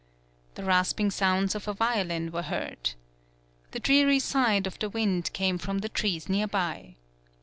The rasping sounds of a violin were heard. The dreary sigh of the wind came from the trees near by.